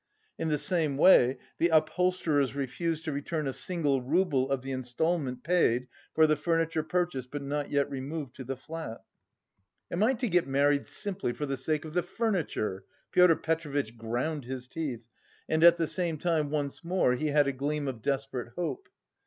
In the same way the upholsterers refused to return a single rouble of the instalment paid for the furniture purchased but not yet removed to the flat. "Am I to get married simply for the sake of the furniture?" Pyotr Petrovitch ground his teeth and at the same time once more he had a gleam of desperate hope.